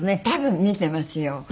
多分見てますよ。